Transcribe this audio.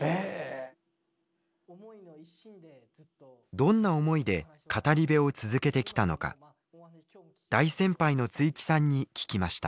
どんな思いで語り部を続けてきたのか大先輩の築城さんに聞きました。